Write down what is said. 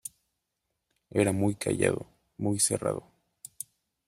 Era muy callado, muy cerrado.